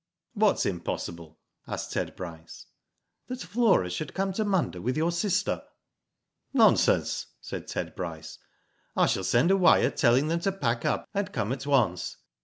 " What's impossible ?" asked Ted Bryce. " That Flora should come to Munda with your sister." " Nonsense," said Ted Bryce. " I shall send a wire, telling them to pack up and come at once.